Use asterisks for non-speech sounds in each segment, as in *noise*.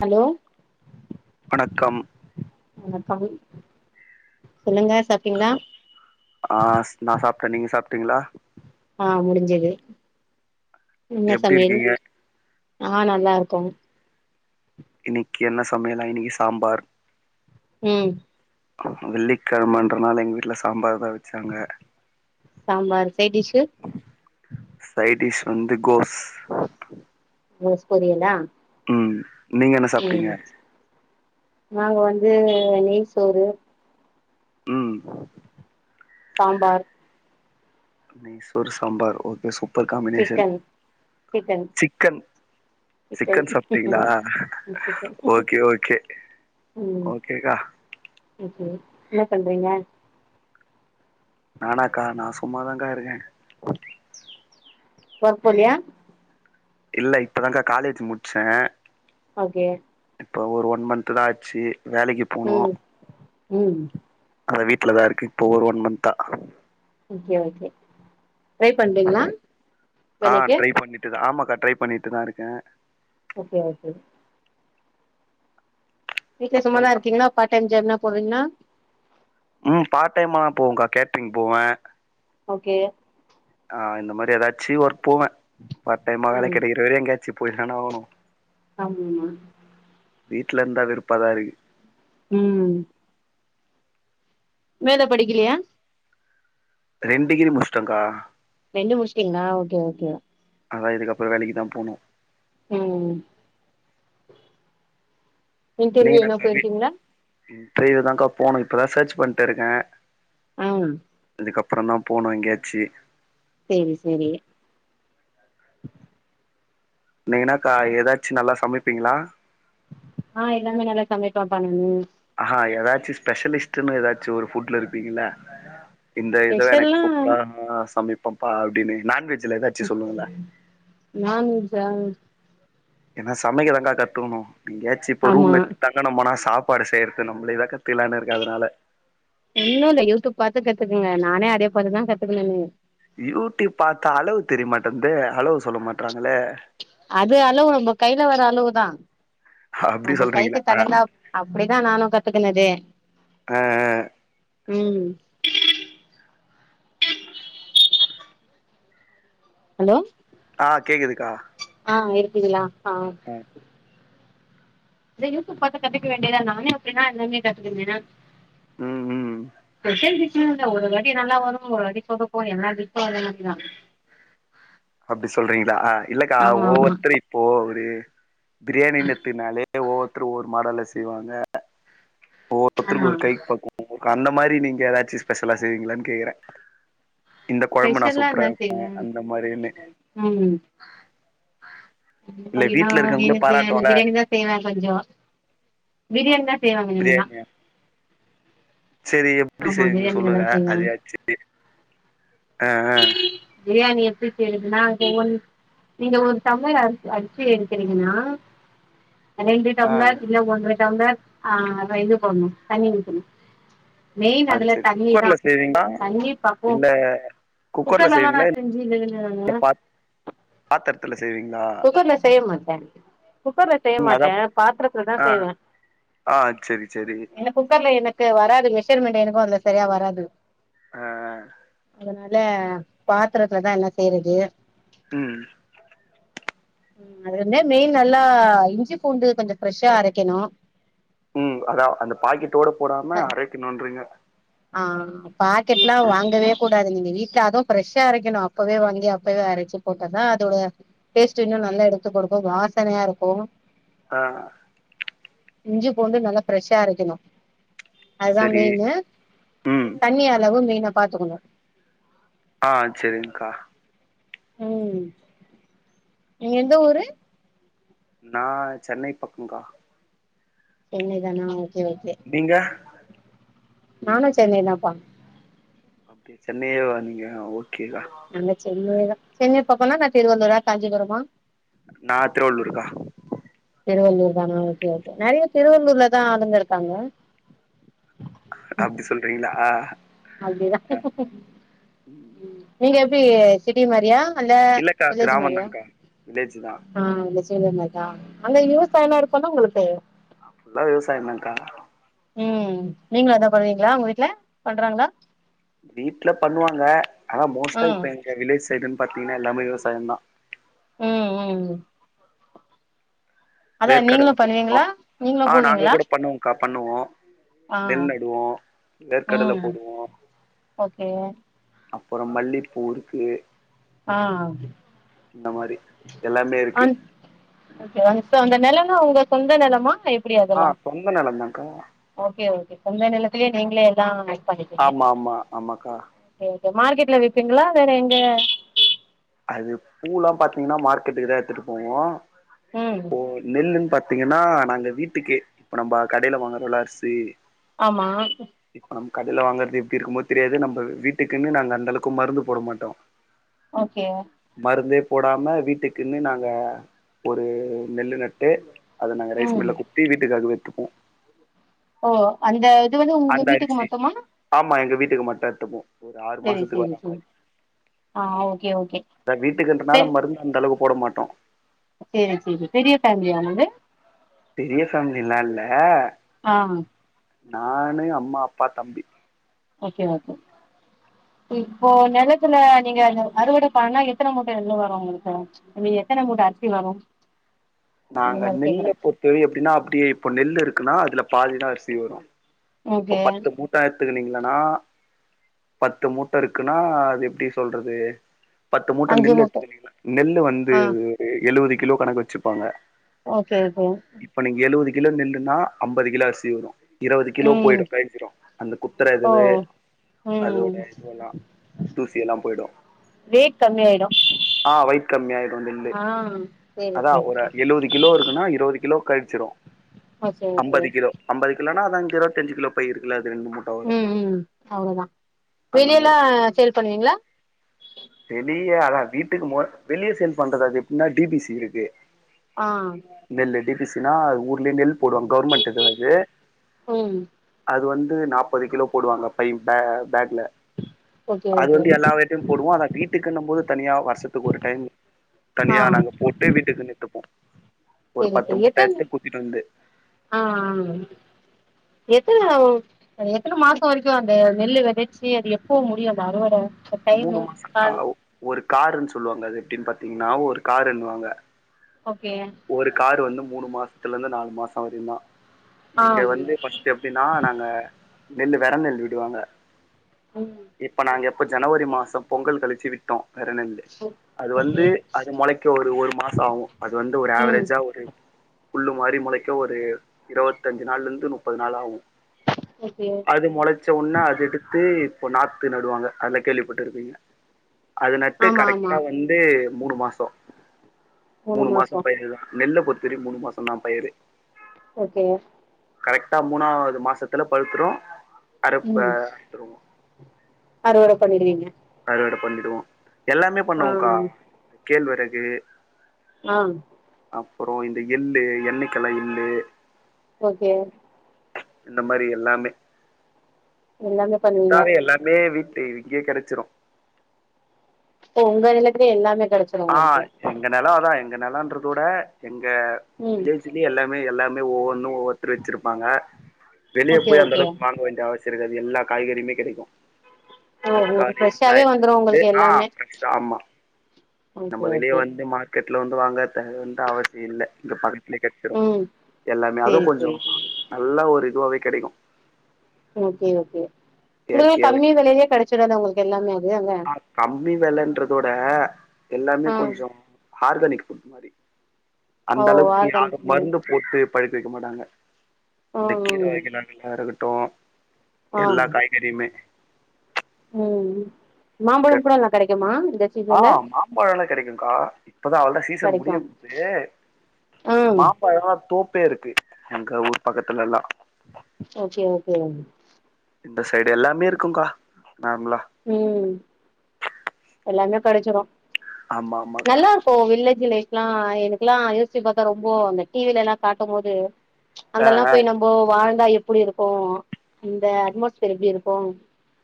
Hello வணக்கம் வணக்கம் சொல்லுங்க சாப்டீங்களா ஆ நா சாப்ட்டே நீங்க சாப்ட்டீங்களா ஆ முடிஞ்சது என்ன எப்டி சமையல் இருக்கீங்க ஆ நல்லா இருக்கோ இன்னக்கி என்ன சமையலா இன்னக்கி சாம்பார் ம் வெள்ளிக்கெழமன்றனால எங்க வீட்ல சாம்பார்தா வச்சாங்க சாம்பார் சைடிஷ் சைடிஷ் வந்து கோஸ் கோஸ் பொரியலா ம் நீங்க என்ன சாப்ட்டீங்க ம் நாங்க வந்து நெய் சோறு ம் சாம்பார் நெய் சோறு sambar okay super combination chicken chicken chicken chicken சாப்ட்டீங்களா சிக்கன் ஓகே ஓகே ம் ஓகேக்கா ஓகே என்ன பண்றீங்க நானாக்கா நா சும்மாதாக்கா இருக்கே ஒர்க் போலியா இல்ல இப்பதாக்கா காலேஜ் முடிச்சே ஓகே இப்போ ஒரு ஒன் மந்த்தா ஆச்சு வேலைக்கு போனு ம், ம் அதா வீட்லதா இருக்க இப்போ ஒரு ஒன் மந்த்தா ஓகே ஓகே ட்ரை பண்றீங்களா ஆ வேலைக்கு ட்ரை பண்ணிட்டுதா ஆமாக்கா ட்ரை பண்ணிட்டுதா இருக்கே ஓகே ஓகே வீட்டு சும்மாதா அப்புறம்க்கா இருங்கீங்கனா பார்ட் டைம் ஜாப்னா போவிங்களா ம் பார்ட் டைம்மாலா போவேக்கா கேட்டரிங் போவே ஓகே ஆ இந்த மாரி ஏதாச்சு ஒர்க் போவே பார்ட்டைமா வேல ஆமா கெடைக்கிறவர எங்கயாச்சு போயிதான ஆவணு ஆமா வீட்ல இருந்தா வெறுப்பாதா இருக்கு ம் மேல படிக்கலையா ரெண்டு டிகிரி முடிச்சுட்டங்க்கா ரெண்டு முடிச்சிட்டிங்களா ஓகே ஓகே அதா இதுக்கு அப்றோ வேலைக்குதா போனும் ம் இன்டர்வியூ நீங்க எதுனா என்னக்கா போயிருக்கீங்களா இப்பயேதாங்க்கா போவணு இப்பதா சர்ச் பண்ணிட்டு இருக்க ம் அதுக்கப்பறம்தா போனும் எங்கயாச்சு சேரி சேரி நீங்க என்னாக்கா ஏதாச்சும் நல்லா சமைப்பீங்களா ஆ எல்லாமே நல்லா சமைப்பப்பா நானு ஆ ஏதாச்சும் ஸ்பெஷலிஸ்ட்னு ஏதாச்சு ஒரு ஃபுட்ல இருப்பீங்களா இந்த இதுவே எனக்கு ஸ்பெஷல்லா சூப்பரா சமைப்பம்ப்பா அப்டின்னு நான்வெஜ் சேரி சேரி நான்வெஜ்ஜா ஏன்னா சமைக்கதாங்கா கத்துக்கணு எங்கயாச்சு இப்ப ஆமா ரூம் எடுத்து தங் கனுபோன சாப்பாடு செய்யறது நம்பளேதா கத்துக்லான்னு இருக்கு அதனால ஒன்னு இல்ல யூடியூப் பாத்து கத்துக்கங்க நானே அதே பாத்துதா கத்துக்கனனே யூடியூப் பாத்தா அளவு தெரிய மாட்டன்னுதே அளவு சொல்ல மாட்றாங்களே அது அளவு நம்ம கையில வர அளவுதா அப்டி நம்ப கைக்குக்கு சொல்றீங்களா ஆ தகுந்தா அப்டிதா நானு கத்துக்குனது ஆ ஆ ம் ஹலோ ஆ கேக்குதுக்கா ஆ இருக்கீங்களா ஆ ம் இந்த யூடியூப் பாத்து கத்துக்க வேண்டியதா நானே அப்டிதா எல்லாமே கத்துக்குன ம் ம் ஸ்பெஷல் டிஷ்னு இல்ல ஒரு வாட்டி நல்லா வரு ஒரு வாட்டி சொதப்பும் எல்லா டிஷ்ஷும் அதே மாரிதா *unintelligible* அப்டி சொல்றீங்களா இல்லக்கா ஆமா ஆமா ஒவ்வொருத்தரு இப்போ ஒரு பிரியாணின் எத்துனாலே ஒவ்வொருத்தரு ஒவ்வொரு மாடல்ல செய்வாங்க ஒவ்வொ ஆமா ருத்தர்க்கு ஒரு கைப் பக்குவோ *inaudible* அந்த மாரி நீங்க எதாச்சு ஸ்பெஷலா செய்வீங்ளான் கேக்கறே இந்த கொழம்பு நா ஸ்பெஷல்லா சூப்பரா என்ன வெப்பே செய்வ அந்த மாரினு ம் அந்த இல்ல மாரின்னா வீட்ல இருக்கவங்களே எனக்கு அந்த பாராட்டுவாங்க பிரியாணி தா செய்வே கொஞ்சோ பிரியாணி தா செய்வே அப்பிடினா பிரியாணி செரி எப்பிடி ஆமா செய்வீங்க பிரியாணி நல்லா சொல்லுங்க செய்வே அதயாச்சி ஆ ஆ பிரியாணி எப்டி செய்யற்துன்னா போ ஒன் நீங்க ஒரு டம்ளர் அரி அரிசி எடுக்கறீங்னா ரெண்டு ஆ டம்ளர் இல்ல ஒன்ற டம்ளர் ஆ அளவா இது போட்ணு தண்ணி ஊத்தணு மெயின் ஆ அதுல செரி தண்ணி தா குக்கர்ல செய்வீங்களா தண்ணி பக்குவோ இல்ல குக்கர்ல குக்கர்லல்லா நா செய்வீங்களா செஞ்சதில்ல நானு இல்ல பா பாத்திரத்துல செய்வீங்களா குக்கர்ல செய்ய மாட்ட குக்கர்ல செய்ய ம் அதா மாட்டே பாத்தரத்துல் தா ஆ செய்வே ஆ செரி செரி ஏன்னா குக்கர்ல எனக்கு வராது மெஷர்மெண்டு எனக்கு அதுல செரியா வராது ஆ அதுனா ல பாத்தரத்துல தா எல்லா செய்றது ம் அதுமே மெய்ன் நல்லா இஞ்சி பூண்டு கொஞ்சோ ஃப்ரெஷ்ஷா அரைக்கணு ம் அதா அந்த பாக்கெட்டோட போடாம அரைக்கணுன்றீங்க ஆ பாக்கெட்லா ம். வாங்கவே கூடாது நீங்க வீட்ல அது ஃப்ரெஷ்ஷா அரைக்கணு அப்பவே வாங்கி அப்பவே அரச்சி போட்டா தா அதோட டேஸ்ட்டு இன்னு நல்லா எடுத்து குடுக்கு வாசனையா இருக்கு ஆ இஞ்சி பூண்டு நல்லா ஃப்ரெஷ்ஷா அரைக்கணு அதுதா செரி மெயினு ம் தண்ணி அளவு மெய்னா பாத்துக்கணு ஆ செரி்ங்க்கா ம் நீங்க எந்த ஊரு நா சென்னை பக்கங்க்கா சென்னை தானா ஓகே ஓகே நீங்க நானு சென்னை தாம்ப்பா அப்டியா சென்னையேவா நீங்க ஓகேக்கா நாங்க சென்னை தா சென்னை பக்கோனா நா திருவள்ளூரா காஞ்சிபுரமா நா திருவள்ளூர்க்கா திருவள்ளூர் தானா ஓகே ஓகே நெறைய திருவள்ளூர்ல தா ஆளுங்க இருக்காங்க அப்டி சொல்றீங்ளா அப்டிதா ம் நீங்க எப்டி சிட்டி மாரியா இல்ல இல்லக்கா வில்லேஜு கிராமம் மாரியா தான்க்கா வில்லேஜ் தான் ஆ *unintelligible* மார் தா அந்த விவசாயோல்லா இருக்குல்ல உங்களுக்கு அங் ஃபுல்லா விவசாயந்தாங்க்கா ம் நீங்களு அதா பண்ணுவீங்ளா உங்க வீட்ல பண்றாங்ளா வீட்ல பண்ணுவாங்க ஆனா மோஸ்ட்டா ம் இப்ப எங்க வில்லேஜ் சைடுன் பாத்தீங்ன்னா எல்லாமே விவசாயந்தா ம் ம் அதா நீங்களு வேர்க்கடைல போடுவோ பண்ணுவீங்களா நீங்களு ஆ நாங்க போவீங்களா கூட பண்ணுவோகா பண்ணுவோ ஆ நெல் நடுவோ வேர்கடல ம் போடுவோ ஓகே அப்பறோ மல்லீப்பூ இருக்கு ஆ இந்த மாரி எல்லாமே இருக்கு அந் ஒகே ஸோ அந்த நிலனா உங்க சொந்த நெலமா எப் ஆ சொந்த நெலந்தாங்க ஓகே ஓகே சொந்த நிலத்துலயே நீங்களே எல்லா ஆட் பண்ணிக்கீங்க ஆமா ஆமா ஆமாக்கா கே ஓகே மார்க்கெட்ல விப்பீங்களா இல்லனா எங்யாது அது பூலா பாத்தீங்கன்னா மார்க்கெட்டுக்கு தா எடுத்துட்டு போவோ ம் இப்போ நெல்லுன்னு பாத்தீங்கன்னா நாங்க வீட்டுக்கே இப்ப நம்ம கடையில வாங்கறோல அரிசி ஆமா இப்ப நம்ம கடையில வாங்குறது எப்படி இருக்கும்மோ தெரியாது நம்ம வீட்டுக்குன்னு நாங்க அந்த அளவுக்கு மருந்து போட மாட்டோ ஓகே மருந்தே போடாம வீட்டுக்குன்னு நாங்க ஒரு நெல்லு நட்டு அத நாங்க ரைஸ் ம் மில்ல குட்த்து வீட்டுக்காக எட்த்துப்போ ஓ அந்த இது வந்து உங்க அந்த வீட்டுக்கு அரிசி மட்டுமா ஆமா எங்க வீட்டுக்கு மட்டு எத்துப்போ ஒரு ஆறு செரி மாசத்துக்கு செரி வரா செரி மாரி ஆ ஓகே ஓகே அத வீட்டுக்கன்றனால மருந்து அந்தளவுக்கு போட மாட்டோ சேரி சேரி பெரிய ஃபேமிலியானது பெரிய ஃபேமில்லா இல்ல ஆ நானு அம்மா அப்பா தம்பி ஓகே ஓகே இப்போ நெலத்துல நீங்க அறுவடை பண்னா எத்தன மூட்ட நெல்லு வரு உங்களுக்கு உ எத்தன மூட்ட அரிசி வரு இந்த நாங்க மாரி நெல்லு கேக்குறே குத்தவே எப்படின்னா அப்படியேப்ப நெல்லு இருக்குன்னா அதுல பாதிதா அரிசி வரு இப்ப ஓகே பத்து மூட் ட எத்துக்கனீங்களன்னா பத்து மூட்ட இருக்குன்னா அது எப்டி சொல்றது பத்து அஞ்சு மூட்டநெல்லு மூட்ட எடுத்துக்கங்கள நெல்லு வந்து ஆ எழுவது கிலோ கணக்கு வச்சுப்பாங்க ஓகே ஓகே இப்ப நீங்க எழுவது கிலோ நெல்லுன்னா அம்பது கிலோ அரிசி வரு இருபது கிலோ ம் போயிடு கழி்ஞ்சிடு அந்த குத்துற ஓ இதுவு அதோட ம் இதுவல்லா தூசியெல்லா போயிடு ரேட் கம்மியாயிடு ஆ வயிட் கம்மியாயிடு நெல்லு ஆ சேரி அதா சேரி ஒரு சேரி எழுவது கிலோ இருக்குன்னா இருவது கிலோ கழிச்சிடு ஓ சேரி சேரி அம்பது கிலோ அம்பது கிலோனா அதங்க இரதஞ்சு கிலோ பையிருக்குல அது ரெண்டு மூட் உ உ அவ்வளதா அந்த வெளிய எல்லா மாரி ஸேல் பண்ணுவீங்களா வெளிய அதா வீட்டுக்கு வெளிய சேல் பண்றது அது எப்டின்னா டி பி சி இருக்கு ஆ நெல் டி பி சினா ஊர்லயே நெல் போடுவாங் கவர்மெண்ட் இதுவாது உ அது வந்து நாப்பது கிலோ போடுவாங்க பை ல பேக்ல ஓகே அது ஓகே வந்து எல்லா விட்டையும் போடுவோம் அதா வீட்டுக்குன்னும் போது தனியா வருஷத்துக்கு ஒரு டைம் ஆ தனியா நாங்க போட்டு வீட்டுக்கு எத்துப்போம் ஒரு சேரி பத்து சேரி மூட்டை எத்தன எடுத்து குத்திட்டு வந்து ஆ எதுல எத்தனை மாசம் வரைக்கும் அந்த நெல்லு விதச்சு அது எப்ப முடியும் அந்த அறுவடை டைம் மாசம் ஆ கால் ஒரு காரன்னு சொல்லுவாங்க அது எப்படின்னு பாத்தீங்கன்னா ஒரு காரன்னுவாங்க ஓகே ஒரு காரு வந்து மூணு மாசத்துலருந்து நாலு மாசம் வரை தான் ஆ நீங்க வந்து எப்படின்னா நாங்க நெல்லு வெத நெல்லு விடுவாங்க ம் இப்ப நாங்க எப்ப ஜனவரி மாசம் பொங்கல் கழிச்சு விட்டோம் வெத நெல்லு அது ஓகே வந்து அது முளைக்க ஒரு ஒரு மாசம் ஆகும் அது வந்து ஒரு ம் ஆவரேஜா ஒரு புல்லு மாறி மொளைக்க ஒரு இருவத்தஞ்சு நாள்லருந்து முப்பது நாள் ஆகும் ஓகே அது முளைச்ச உடனே அது எடுத்து இப்ப நாத்து நடுவாங்க அதுல கேள்விப்பட்டுருப்பீங்க அது நட்டு ஆமா ஆமா கரெக்டா வந்து மூணு மாசம் மூணு மாசம் பயிர் தான் நெல்ல பொருத்த வரைக்கும் மூணு மாசந்தான் பயரு ஓகே கரெக்டா மூணாவது மாசத்துல பழுத்துரும் அறுப்ப ம் அறுத்துருவோம் அறுவடை பண்ணிடுவீங்க அறுவடை பண்ணிடுவோம் எல்லாமே ஆ பண்ணுவோங்க்கா கேழ்வரகு ஆ அப்புறம் இந்த எள்ளு எண்ணெயக்கெல்லா எள்ளு ஓகே இந்த மாதிரி எல்லாமே எல்லாமே பண்ணுவீங்க டாவே எல்லாமே வீட்டு இங்கயே கிடைச்சிரும் ஓ உங்க எலக்க எல்லாமே கிடைச்சுரும் ஆ எங்க நிலம் தான் எங்க நிலன்றத விட எங்க ம் வில்லேஜ்லயே எல்லாமே எல்லாமே ஒவ்வொன்னும் ஒவ்வொருத்த வச்சிருப்பாங்க வெளியே ஓகே போய் அந்த ஓகே அளவுக்கு வாங்க வேண்டிய அவசிய இருக்காது அது எல்லா காய்கறியுமே கிடைக்கும் ஓ உங்களுக்கு தக்காளி ஃப்ரெஷ்ஷாவே வெங்காயத்துல வந்துரு இருந்து உங்களுக்கு ஆ எல்லாமே ஆமா நம்ம ஓகே வெளிய ஓகே வந்து மார்க்கெட்ல வந்து வாங்க வந்து அவசியம் இல்லை இங்க இங்க கெடைச்சுடும்‌ ம் எல்லாமே சேரி அதுவும் சேரி கொஞ்சம் சேரி நல்ல ஒரு இதுவாவே கிடைக்கும் ஓகே ஓகே உங்கல்லாம் இயற்கையாவே கம்மி கிடைக்கும். விலையிலயே கிடைச்சடா உங்களுக்கு எல்லாமே அது அ ஆ கம்மி வெலன்றதவிட எல்லாமே ஆ கொஞ்சம் ஆர்கானிக் ஃபுட் மாதிரி ஓ அந்த அளவுக்கு யாரு ஆர்கானிக் மாரி மருந்து ஒத்து பழுக்கவைக்க மாட்டாங்க இந்த ம் கீரை ம். வகைலாம் இருக்கட்டும் ஆ எல்லா காய்கறிமே ம் மாம்பழம் கூட கெடைச்சிரு எல்லாம் கிடைக்குமா இந்த ஆ சீசன்ல மாம்பழம் எல்லாம் கிடைக்கும்கா இப்பதான் அவளதான் சீசன் கெடைக்கு முடிய போது ம் மாம்பழல்லாம் தோப்பே இருக்கு எங்க ஊர் பக்கத்துல எல்லாம் ஓகே ஓகே இந்த சைடு எல்லாமே இருக்கும்கா நார்மலா ம் எல்லாமே கெடிச்சிறு ஆமா ஆமாக்கா நல்லா இப்போ வில்லேஜ் லைஃப்ல்லாம் எனக்கு எல்லாம் யோசி பாத்தா ரொம்போ அந்த டிவிலல்லாம் காட்டும் போது அங்க ஆ எல்லா ஆ போய் நம்ம வாழ்ந்தா எப்டி இருக்கும் அந்த அட்மொஸ்பியர் எப்டி இருக்கும்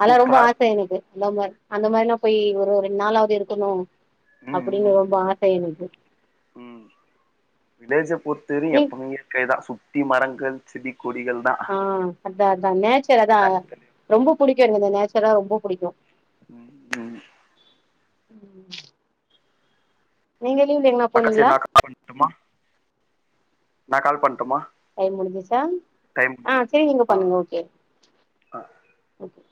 அதெல்லாம் ரொம்ப சூப்பரா இருக்கு ஆசை எனக்கு அந்த மாரி அந்த மாரிலாம் போய் ஒரு ரெண்டு நாளாவது இருக்கணு ம் ம் அப்டின்னு ரொம்ப ஆச எனக்கு ம் விலேஜ் பொர்த்துரும் நீ எப்பமே தான் சுத்தி மரங்கள் செடி கொடிகள் தான் ஆ அதான் அதான் நேச்சர் அதான் எடத்துலயு ரொம்ப புடிக்கும் எனக்கு அந்த நேச்சர்லா ரொம்ப புடிக்கும் ம் ம் ம் நீங்க லிவுல்லா எங்னா அக்கா செரி நான் கால் பண்ணட்மா நான் கால் பண்ணட்டுமா டைம் முடிஞ்சிச்சா ஆ செரி நீங்க ஆ பண்ணுங்க ஓகே ஆ ஓகே